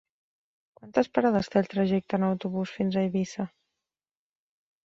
Quantes parades té el trajecte en autobús fins a Eivissa?